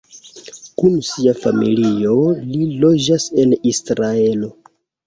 Kun sia familio li loĝas en Israelo.